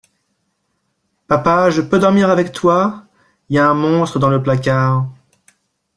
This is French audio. Papa je peux dormir avec toi? Y a un monstre dans le placard.